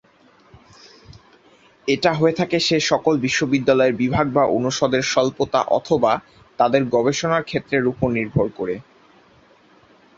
এটা হয়ে থাকে সে সকল বিশ্ববিদ্যালয়ের বিভাগ বা অনুষদের স্বল্পতা অথবা তাদের গবেষণার ক্ষেত্রের উপর নির্ভর করে।